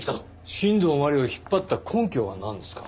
新道真理を引っ張った根拠はなんですか？